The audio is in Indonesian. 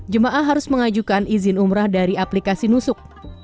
jemaah harus mengajukan izin umrah dari aplikasi nusuk